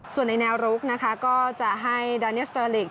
ส่วนในแนวรุกนะคะก็จะให้ดาเนียสเตอร์ลิก